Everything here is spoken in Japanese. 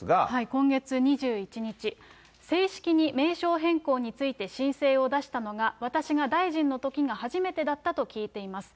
今月２１日、正式に名称変更について申請を出したのが、私が大臣のときが初めてだったと聞いています。